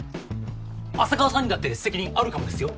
浅川さんにだって責任あるかもですよ？